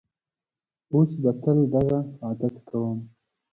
اوس به تل دغه عادت کوم.